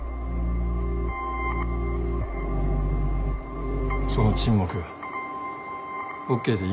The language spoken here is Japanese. その沈黙ＯＫでいいんですね？